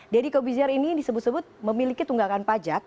deddy kobizir ini disebut sebut memiliki tunggakan pajak